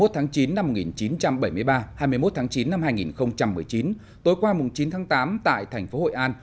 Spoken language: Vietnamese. hai mươi tháng chín năm một nghìn chín trăm bảy mươi ba hai mươi một tháng chín năm hai nghìn một mươi chín tối qua chín tháng tám tại thành phố hội an